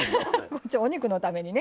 お肉のためにね。